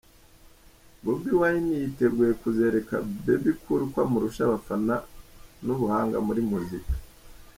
Bobbi Wine yiteguye kuzereka Bebe Cool ko amurusha abafana n’ubuhanga muri muzika.